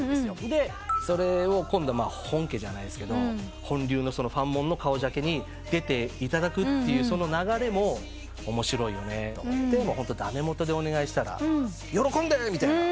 でそれを今度は本家じゃないっすけど本流のファンモンの顔ジャケに出ていただくってその流れも面白いよねって駄目もとでお願いしたら喜んでみたいな。